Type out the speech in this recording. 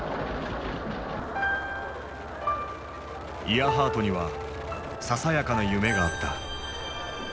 イアハートにはささやかな夢があった。